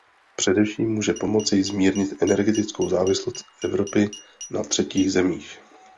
Především může pomoci zmírnit energetickou závislost Evropy na třetích zemích.